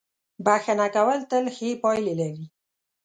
• بښنه کول تل ښې پایلې لري.